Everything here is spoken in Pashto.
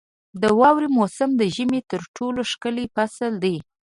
• د واورې موسم د ژمي تر ټولو ښکلی فصل دی.